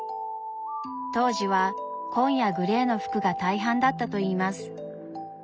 当時は紺やグレーの服が大半だったといいます。